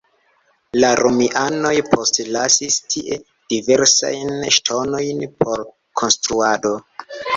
La romianoj postlasis tie diversajn ŝtonojn por konstruado.